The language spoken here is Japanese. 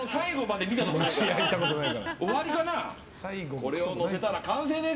これをのせたら完成です！